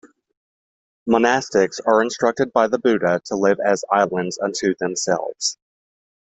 Monastics are instructed by the Buddha to live as "islands unto themselves".